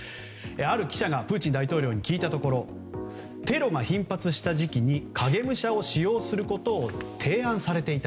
ある記者がプーチン大統領に聞いたところテロが頻発した時期に影武者を使用することを提案されていた。